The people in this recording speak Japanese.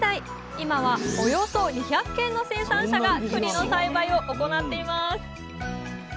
今はおよそ２００軒の生産者がくりの栽培を行っています。